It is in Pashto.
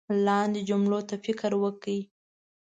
لاندې جملو ته فکر وکړئ